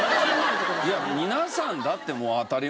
いや皆さんだってもう当たり前。